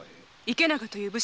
池永という武士も。